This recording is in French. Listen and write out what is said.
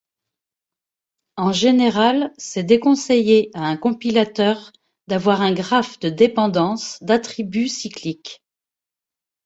En général, c'est déconseillé à un compilateur d'avoir un graphe de dépendances d'attributs cyclique.